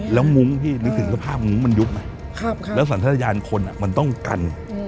แล้วมุ้งนึกถึงว่าผ้ามุ้งมันยุบมาและสวรรค์ทหลายาทีจากคนมันต้องกัน